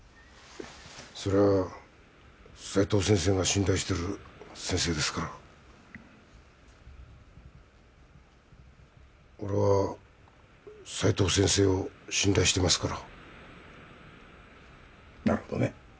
そりゃ斉藤先生が信頼してる先生ですから俺は斉藤先生を信頼してますからなるほどね